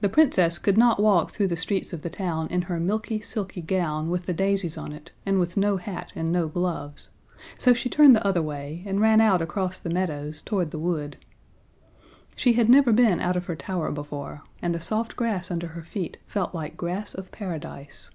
The Princess could not walk through the streets of the town in her milky silky gown with the daisies on it, and with no hat and no gloves, so she turned the other way, and ran out across the meadows, toward the wood. She had never been out of her tower before, and the soft grass under her feet felt like grass of Paradise.